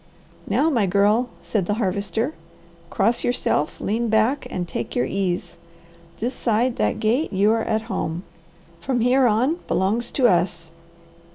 "Now my girl," said the Harvester, "cross yourself, lean back, and take your ease. This side that gate you are at home. From here on belongs to us."